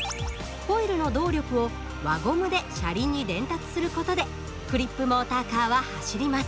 コイルの動力を輪ゴムで車輪に伝達する事でクリップモーターカーは走ります。